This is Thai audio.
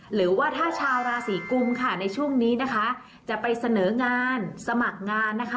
หรือว่าถ้าชาวราศีกุมค่ะในช่วงนี้นะคะจะไปเสนองานสมัครงานนะคะ